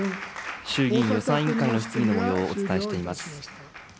衆議院予算委員会の質疑のもようをお伝えしています。